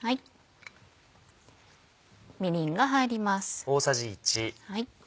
みりんが入ります。